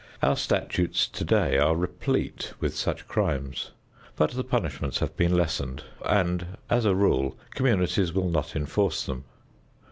Our statutes today are replete with such crimes, but the punishments have been lessened and, as a rule, communities will not enforce them.